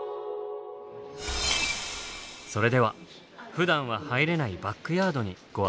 それではふだんは入れないバックヤードにご案内しましょう。